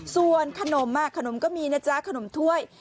ส่วนขนมขนมก็มีนะจ๊ะขนมถ้วย